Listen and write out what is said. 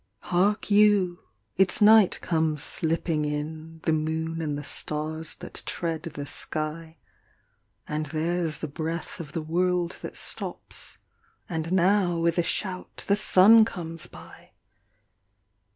Hark you I It s night comes slipping in, The moon and the stars that tread the sky; And there s the breath of the world that stops; And now with a shout the sun comes by